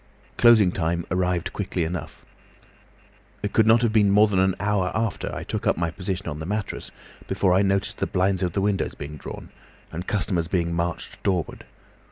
"Closing time arrived quickly enough. It could not have been more than an hour after I took up my position on the mattresses before I noticed the blinds of the windows being drawn, and customers being marched doorward.